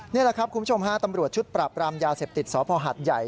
นี่แหละครับคุณผู้ชมฮะตำรวจชุดปรับรามยาเสพติดสพหัดใหญ่